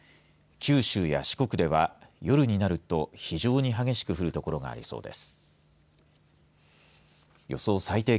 九州や四国では夜になると非常に激しく降る所がありそうです。